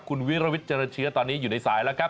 คุณวิรวิทย์เจริญเชื้อตอนนี้อยู่ในสายแล้วครับ